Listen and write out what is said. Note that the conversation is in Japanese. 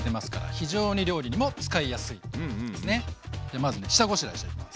まずね下ごしらえしていきます。